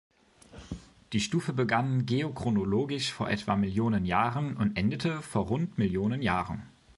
Die Stufe begann geochronologisch vor etwa Millionen Jahren und endete vor rund Millionen Jahren.